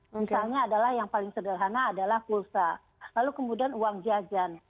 misalnya adalah yang paling sederhana adalah pulsa lalu kemudian uang jajan